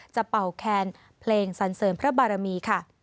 เป่าแคนเพลงสันเสริมพระบารมีค่ะ